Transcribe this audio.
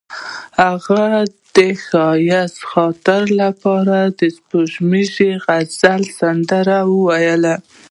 هغې د ښایسته خاطرو لپاره د سپوږمیز غزل سندره ویله.